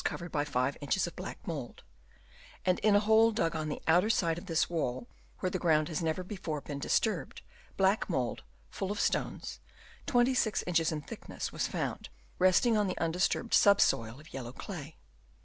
201 inches of black mould ; and in a hole dug on the outer side of this wall, where the ground had never before been disturbed, black mould, full of stones, 26 inches in thickness, was found, resting on the undisturbed sub soil of yellow clay.